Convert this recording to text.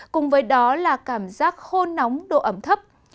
cùng với đó là cảm giác khô nóng độ ẩm thấp